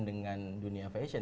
dengan dunia fashion